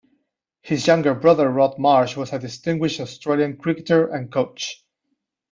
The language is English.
His younger brother Rod Marsh was a distinguished Australian cricketer and coach.